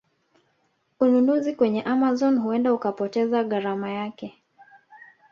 Ununuzi kwenye Amazon huenda ukapoteza gharama yake